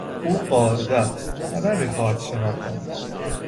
او قاعده است و نمیخواهد شنا کند.